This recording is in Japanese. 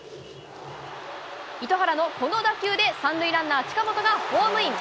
糸原のこの打球で、３塁ランナー、近本がホームイン。